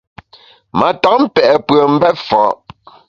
Ma tam pe’ pùem mbèt fa’.